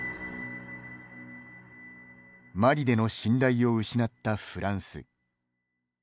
マリでの信頼を失ったフランス。